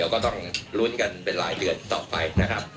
ก็ต้องรุ้นกันเป็นหลายเดือนต่อไป